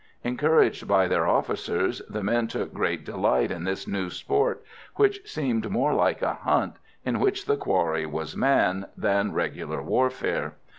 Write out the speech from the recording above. Encouraged by their officers, the men took great delight in this new sport, which seemed more like a hunt, in which the quarry was man, than regular warfare.